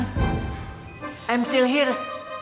gue masih disini